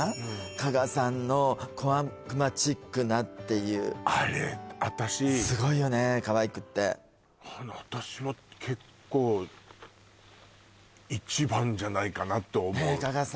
加賀さんの小悪魔チックなっていうあれ私すごいよねーかわいくってあの私は結構一番じゃないかなと思うねえ加賀さん